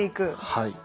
はい。